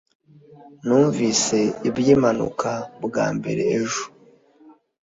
Numvise iby'impanuka bwa mbere ejo